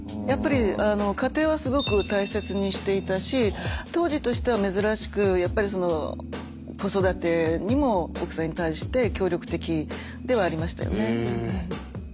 やっぱり家庭はすごく大切にしていたし当時としては珍しく子育てにも奥さんに対して協力的ではありましたよね。